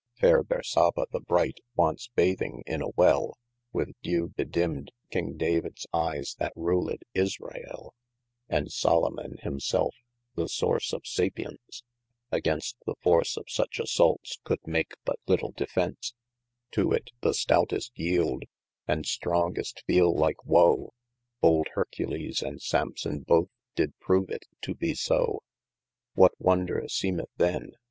FAire Bersabe the bright once bathing in a Well, With dewe bedimmd King Davids eies that ruled Israeli. And Salomon him selfe, the source of sapience. Against the force of such assaultes could make but small defence : To it the stoutest yeeld, and strongest feele like wo, Bold Hercules and Sampson both, did prove it to be so. What wonder seemeth then?